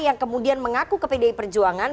yang kemudian mengaku ke pdi perjuangan